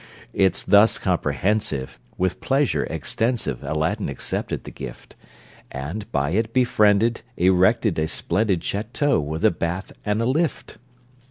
It's thus comprehensive With pleasure extensive Aladdin accepted the gift, And, by it befriended, Erected a splendid Château, with a bath and a lift!